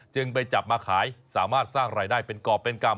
จึงไปจับมาขายสามารถสร้างรายได้เป็นกรอบเป็นกรรม